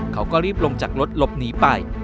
เขาก็รีบลงจากรถหลบหนีไป